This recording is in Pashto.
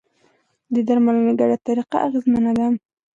د درملنې ګډه طریقه اغېزمنه ده.